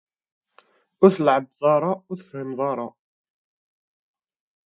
Ur tt-leɛɛeb ara ur tefhimeḍ ara.